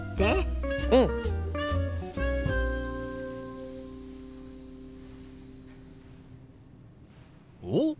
うん！おっ！